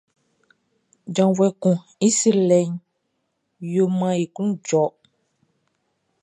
Djavuɛ kun i srilɛʼn yo maan e klun jɔ.